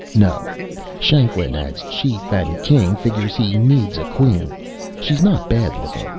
"No. Shanklin, as chief and king, figures he needs a queen. She's not bad looking.